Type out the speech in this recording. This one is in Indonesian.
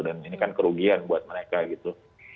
dan ini kan kerugian buat mereka gitu